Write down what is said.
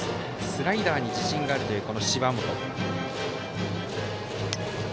スライダーに自信があるという芝本。